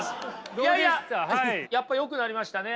いやいややっぱよくなりましたね。